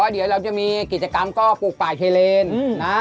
เดี๋ยวเราจะมีกิจกรรมก็ปลูกป่าเคเลนนะ